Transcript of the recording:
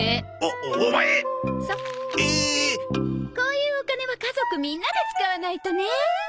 こういうお金は家族みんなで使わないとね。